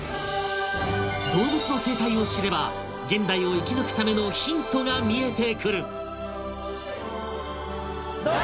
動物の生態を知れば現代を生き抜くためのヒントが見えてくる！